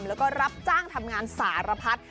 แล้วก็รับจ้างทำงานสารพัด